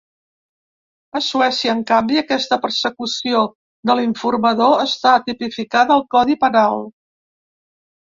A Suècia, en canvi, aquesta persecució de l’informador està tipificada al codi penal.